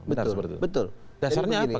betul betul dasarnya apa